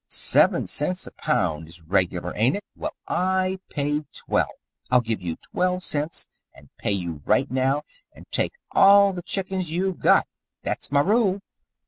"Seven cents a pound is regular, ain't it? Well, I pay twelve. I'll give you twelve cents, and pay you right now, and take all the chickens you've got. That's my rule.